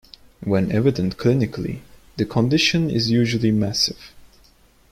When evident clinically, the condition is usually massive.